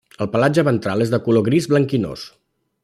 El pelatge ventral és de color gris blanquinós.